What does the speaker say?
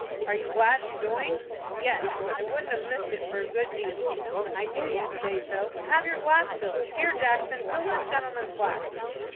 "Are you glad you joined?" "Yes; I wouldn't have missed it for a good deal." "I knew you'd say so. Have your glass filled. Here Jackson, fill this gentleman's glass."